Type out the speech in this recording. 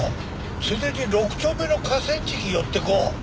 ついでに６丁目の河川敷寄っていこう。